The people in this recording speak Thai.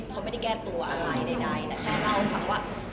เขาไม่ได้แก้ตัวอะไรใดแต่แค่เล่าให้ฟังว่า